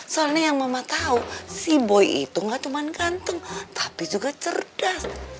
soalnya yang mama tau si boy itu gak cuma ganteng tapi juga cerdas